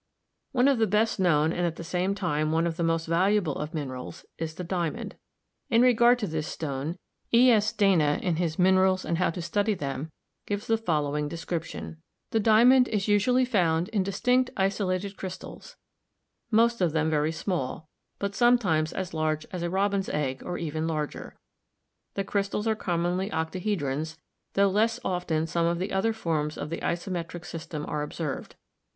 One of the best known and at the same time one of the most valuable of minerals is the diamond. In regard to this stone, E. S. Dana, in his 'Minerals and How to Study Them/ gives the following description : "The diamond is usually found in distinct isolated crystals, most of them very small, but sometimes as large as a robin's egg or even larger. The crystals are commonly octahedrons, though less often some of the other forms of the isometric system are observed.